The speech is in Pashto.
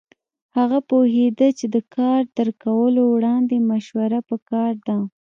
هغه پوهېده چې د کار تر کولو وړاندې مشوره پکار ده.